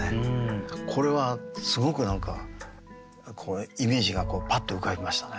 これはすごく何かイメージがパッと浮かびましたね。